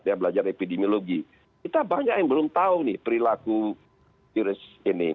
dia belajar epidemiologi kita banyak yang belum tahu nih perilaku virus ini